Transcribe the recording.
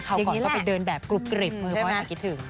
เขาก่อนก็ไปเดินแบบกรุบกริบเพราะไม่คิดถึง